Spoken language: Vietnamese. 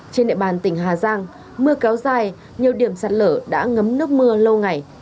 trên địa bàn tỉnh hà giang mưa kéo dài nhiều điểm sạt lở đã ngấm nước mưa lâu ngày